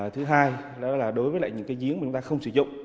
thứ hai đó là đối với lại những cái giếng mà chúng ta không sử dụng